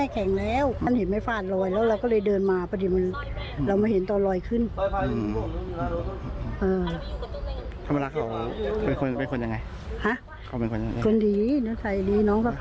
คนดีหน้าสายดีน้องสะไพรเป็นคนดี